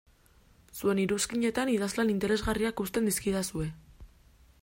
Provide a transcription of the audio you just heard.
Zuen iruzkinetan idazlan interesgarriak uzten dizkidazue.